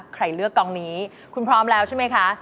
เลือกกองนี้คุณพร้อมแล้วใช่ไหมคะ